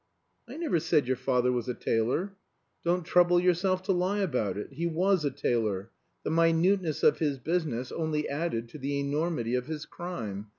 "I never said your father was a tailor." "Don't trouble yourself to lie about it. He was a tailor. The minuteness of his business only added to the enormity of his crime.